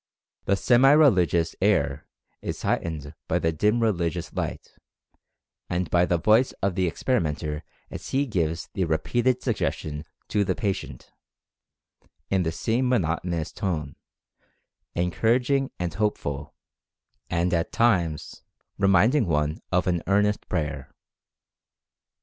The semi religious air is heightened by the 'dim religious light/ and by the voice of the experimenter as he gives the repeated suggestions to the patient, in the same monotonous tone, encouraging and hopeful, and at times reminding one of an earnest prayer.